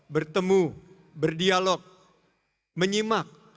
bertemu berdialog menyimak